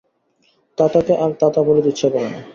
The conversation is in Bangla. তাতাকে আর তাতা বলিতে ইচ্ছা করে না।